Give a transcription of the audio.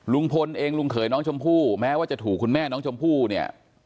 ลุงพลเองลุงเขยน้องชมพู่แม้ว่าจะถูกคุณแม่น้องชมพู่เนี่ย